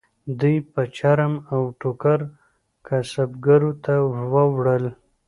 دوی به چرم او ټوکر کسبګرو ته ووړل.